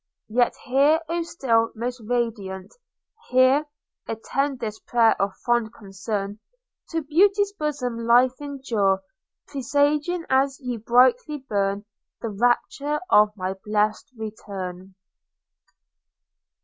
Yet here, O still, most radiant! here (Attend this prayer of fond concern) To beauty's bosom life endear, Presaging as ye brightly burn The rapture of my blest return.